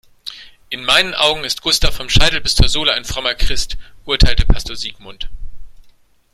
In meinen Augen ist Gustav vom Scheitel bis zur Sohle ein frommer Christ, urteilte Pastor Sigmund.